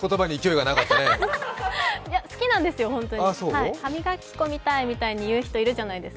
好きなんです、歯磨き粉みたいって言う人いるじゃないですか。